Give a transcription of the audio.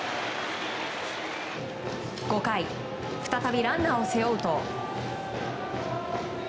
５回再びランナーを背負うと。